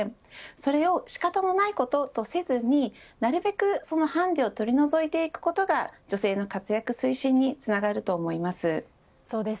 それを仕方のないこととせずになるべく、そのハンデを取り除いていくことが女性の活躍推進につながると思います。